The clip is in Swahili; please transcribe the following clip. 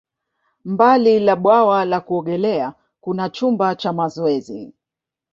Mbali na bwawa la kuogelea, kuna chumba cha mazoezi.